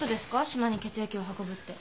島に血液を運ぶって。